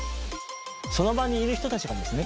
その場にいる人たちがですね